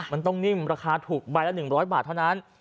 มันต้องนิ่มราคาถูกใบละ๑๐๐บาทเท่านั้น